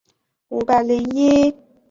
杨善人。